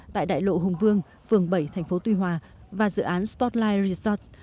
tại đại lộ hùng vương phường bảy thành phố tuy hòa và dự án spotlight resorts